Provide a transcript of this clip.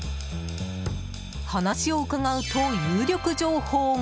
話を伺うと、有力情報が。